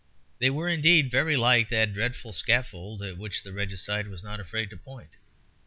They were, indeed, very like that dreadful scaffold at which the Regicide was not afraid to point.